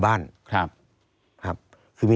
ตั้งแต่ปี๒๕๓๙๒๕๔๘